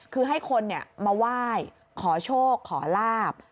คือให้คนมาไหว้ขอโชคขอลาบ